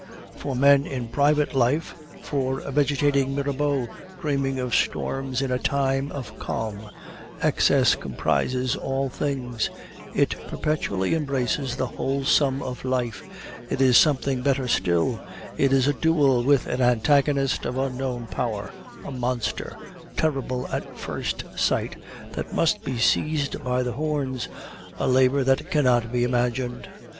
"For men in private life, for a vegetating Mirabeau dreaming of storms in a time of calm, Excess comprises all things; it perpetually embraces the whole sum of life; it is something better still it is a duel with an antagonist of unknown power, a monster, terrible at first sight, that must be seized by the horns, a labor that cannot be imagined.